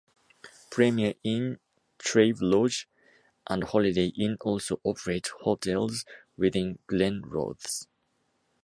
Premier Inn, Travelodge and Holiday Inn also operate hotels within Glenrothes.